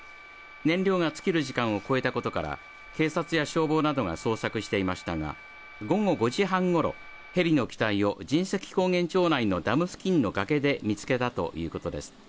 燃料が尽きる時間を超えたことから警察や消防などが捜索していましたが午後５時半ごろヘリの機体を神石高原町内のダム付近の崖で見つけたということです